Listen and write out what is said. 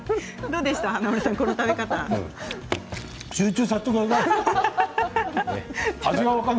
どうでしたか。